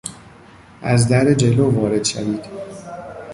از در جلو وارد شوید.